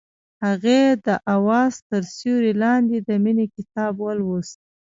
هغې د اواز تر سیوري لاندې د مینې کتاب ولوست.